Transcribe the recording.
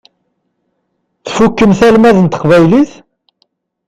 Tfukkemt almad n teqbaylit?